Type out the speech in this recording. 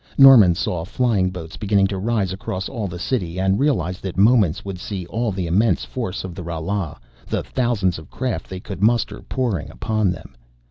Norman saw flying boats beginning to rise across all the city and realized that moments would see all the immense force of the Ralas, the thousands of craft they could muster, pouring upon them.